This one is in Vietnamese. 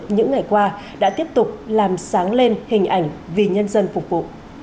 những ngày qua đã tiếp tục làm sáng lên hình ảnh vì nhân dân phục vụ